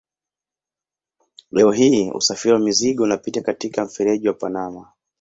Leo hii usafiri wa mizigo unapita katika mfereji wa Panama.